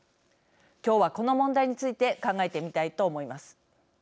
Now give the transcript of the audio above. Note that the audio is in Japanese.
今日はこの問題について考えてみたいと思います。